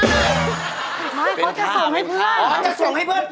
ไม่เขาจะส่งให้เพื่อน